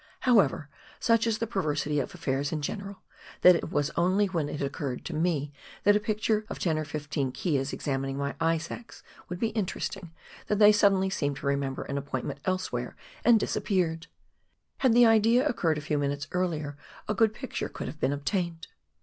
However, such is the perversity of affairs in general, that it was only when it occurred to me that a picture of ten or fifteen keas examining my ice axe would be interesting, that they suddenly seemed to remember an appointment elsewhere, and disappeared. Had the idea occurred a few minutes earlier, a good picture could have been obtained.